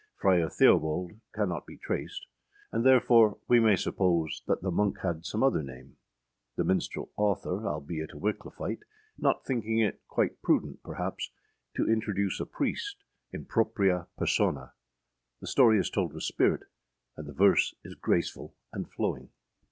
Friar Theobald cannot be traced, and therefore we may suppose that the monk had some other name; the minstrel author, albeit a Wickliffite, not thinking it quite prudent, perhaps, to introduce a priest in propriâ personâ. The story is told with spirit, and the verse is graceful and flowing.